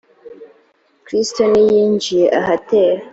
kristo ntiyinjiye ahatera.